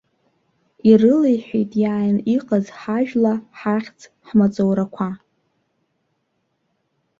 Ирылеиҳәеит иааин иҟаз ҳажәла-ҳахьӡ, ҳмаҵурақәа.